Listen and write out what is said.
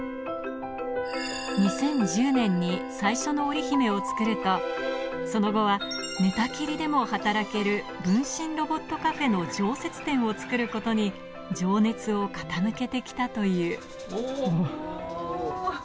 ２０１０年に最初のオリヒメを作ると、その後は寝たきりでも働ける分身ロボットカフェの常設店を作ることに情熱を傾けてきたという。